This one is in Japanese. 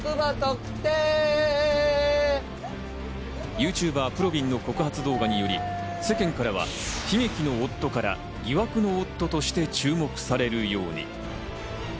ＹｏｕＴｕｂｅｒ・ぷろびんの告発動画により世間からは悲劇の夫から疑惑の夫として注目されるように。